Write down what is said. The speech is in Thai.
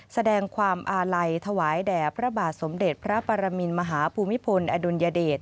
แสดงความอาลัยถวายแด่พระบาทสมเด็จพระปรมินมหาภูมิพลอดุลยเดช